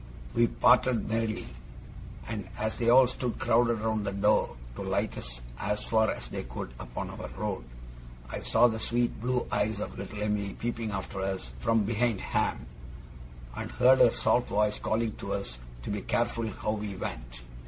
We parted merrily; and as they all stood crowded round the door to light us as far as they could upon our road, I saw the sweet blue eyes of little Em'ly peeping after us, from behind Ham, and heard her soft voice calling to us to be careful how we went.